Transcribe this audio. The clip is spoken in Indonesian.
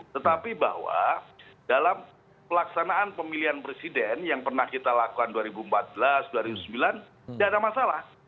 tetapi bahwa dalam pelaksanaan pemilihan presiden yang pernah kita lakukan dua ribu empat belas dua ribu sembilan tidak ada masalah